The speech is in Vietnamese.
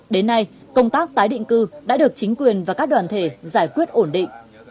đến nay công tác tái định cư đã được chính quyền và các đoàn thể giải quyết ổn định